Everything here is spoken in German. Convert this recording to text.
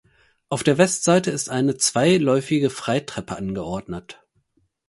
Auf der Westseite ist eine zweiläufige Freitreppe angeordnet.